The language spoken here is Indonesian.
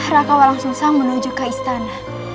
raka walang susang menuju ke istana